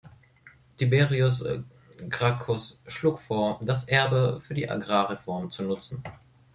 Tiberius Gracchus schlug vor, das Erbe für die Agrarreform zu nutzen.